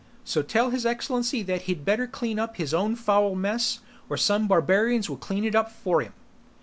So tell His Excellency that he'd better clean up his own foul mess, or some barbarians will clean it up for him."